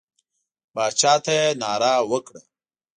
باچا ته یې ناره وکړه.